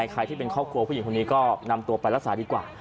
ใครที่เป็นครอบครัวผู้หญิงคนนี้ก็นำตัวไปรักษาดีกว่า